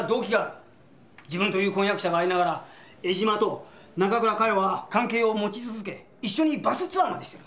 自分という婚約者がありながら江島と中倉佳世は関係を持ち続け一緒にバスツアーまでしてる。